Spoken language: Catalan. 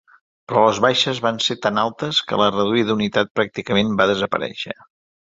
Però les baixes van ser tan altes que la reduïda unitat pràcticament va desaparèixer.